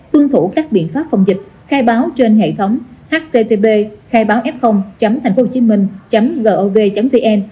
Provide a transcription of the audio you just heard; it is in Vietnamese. tuân thủ các biện pháp phòng dịch khai báo trên hệ thống http khai báo f thànhphôchiminh gov vn